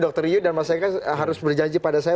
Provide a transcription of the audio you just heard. dr yu dan mas eka harus berjanji pada saya